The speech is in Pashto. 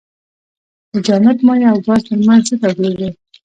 د جامد مایع او ګاز ترمنځ څه توپیر دی.